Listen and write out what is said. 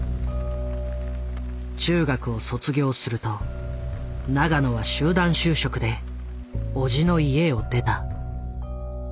中学を卒業すると永野は集団就職で叔父の家を出た。